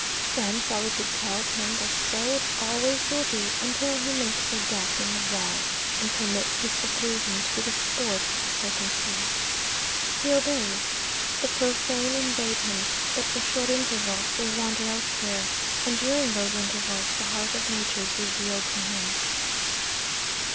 Then Solitude tells him that so it always will be until he makes a gap in the wall, and permits his seclusion to be the sport of circumstance. He obeys. The Profane invade him; but for short intervals they wander elsewhere, and during those intervals the heart of Nature is revealed to him.